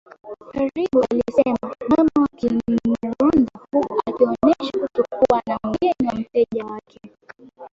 karibualisema mama wa Kinyarwanda huku akionesha kutokuwa mgeni kwa mteja wake